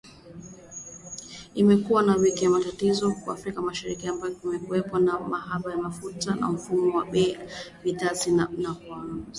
Imekuwa ni wiki ya matatizo huko Afrika Mashariki ambako kumekuwepo na uhaba wa mafuta na mfumuko wa bei za bidhaa kwa wanunuzi